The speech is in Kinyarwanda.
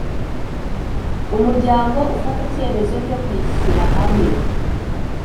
Umuryango ufata icyemezo cyo kwishyirahamwe.